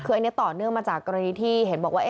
คืออันนี้ต่อเนื่องมาจากกรณีที่เห็นบอกว่า